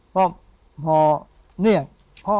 พ่อเรียกพ่อ